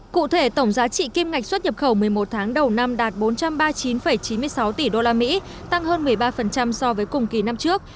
cụ thể tổng giá trị kim ngạch xuất nhập khẩu một mươi một tháng đầu năm đạt bốn trăm ba mươi chín chín mươi sáu tỷ usd tăng hơn một mươi ba so với cùng kỳ năm trước